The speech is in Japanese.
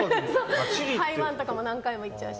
台湾とかも何回も行っちゃうし。